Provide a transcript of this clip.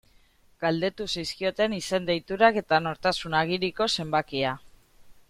Galdetu zizkioten izen-deiturak eta nortasun agiriko zenbakia.